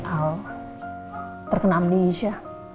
al terkena amni isya